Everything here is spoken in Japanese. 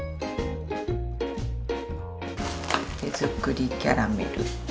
「手づくりキャラメル」。